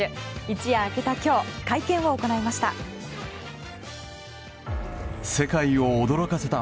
一夜明けた今日会見を行いました。